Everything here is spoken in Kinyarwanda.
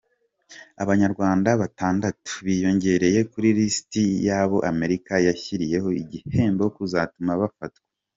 Abanyarwanda Batandatu biyongereye kuri lisiti y’abo Amerika yashyiriyeho igihembo kuzatuma bafatwa